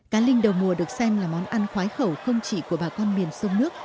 cá linh đầu mùa được xem là món ăn khoái khẩu không chỉ của bà con miền sông nước